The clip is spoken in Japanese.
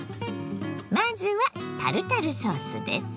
まずはタルタルソースです。